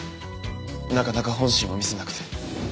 なかなか本心を見せなくて。